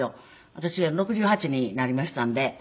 私６８になりましたんで。